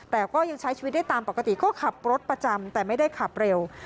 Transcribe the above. แต่ก็ยังใช้ชีวิตได้ตามปกติก็ขับรถประจำแต่ไม่ได้ขับเร็ว